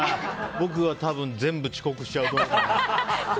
僕は多分全部遅刻しちゃうと思います。